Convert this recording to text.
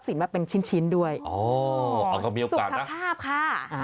สุขภาพค่ะ